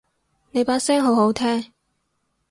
你把聲好好聽